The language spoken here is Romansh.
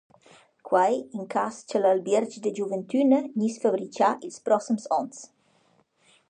Quai in cas cha l’albierg da giuventüna gniss fabrichà i’ls prossems ons.